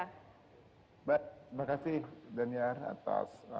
terima kasih daniar atas